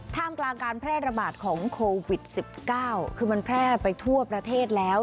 ท่ามกลางการแพร่ระบาดของโควิด๑๙คือมันแพร่ไปทั่วประเทศแล้ว